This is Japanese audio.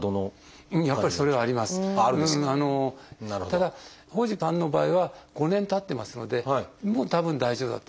ただ傍士さんの場合は５年たってますのでもうたぶん大丈夫だと。